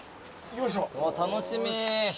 楽しみ。